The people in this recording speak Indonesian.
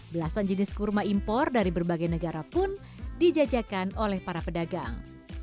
belasan jenis kurma impor dari berbagai negara pun dijajakan oleh para pedagang